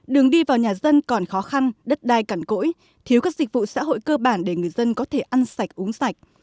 đường đi vào nhà dân còn khó khăn đất đai cẳn cỗi thiếu các dịch vụ xã hội cơ bản để người dân có thể ăn sạch uống sạch